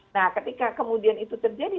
nah ketika kemudian itu terjadi